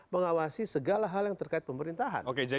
mengawasi segala hal yang terkait pemerintahan